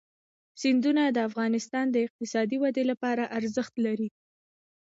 سیندونه د افغانستان د اقتصادي ودې لپاره ارزښت لري.